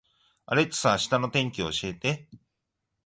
アレクサ、明日の天気を教えて